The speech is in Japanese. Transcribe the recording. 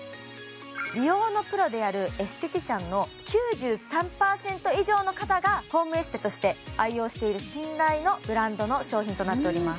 美容のプロであるエステティシャンの９３％以上の方がホームエステとして愛用している信頼のブランドの商品となっております